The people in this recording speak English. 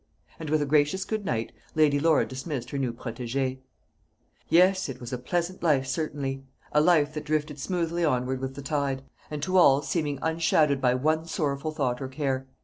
And with a gracious good night Lady Laura dismissed her new protégée. Yes, it was a pleasant life, certainly; a life that drifted smoothly onward with the tide, and to all seeming unshadowed by one sorrowful thought or care.